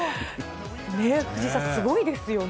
藤井さん、すごいですよね。